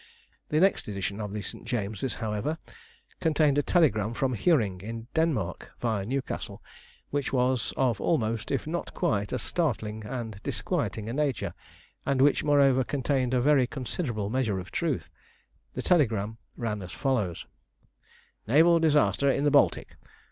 The next edition of the St. James's, however, contained a telegram from Hiorring, in Denmark, viâ Newcastle, which was of almost, if not quite, as startling and disquieting a nature, and which, moreover, contained a very considerable measure of truth. The telegram ran as follows: NAVAL DISASTER IN THE BALTIC.